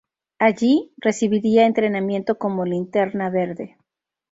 Allí, recibiría entrenamiento como Linterna Verde.